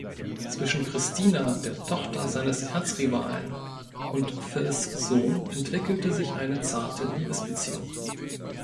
Zwischen Christina, der Tochter seines Erzrivalen, und Phils Sohn entwickelt sich eine zarte Liebesbeziehung.